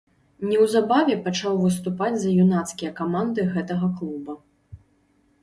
Неўзабаве пачаў выступаць за юнацкія каманды гэтага клуба.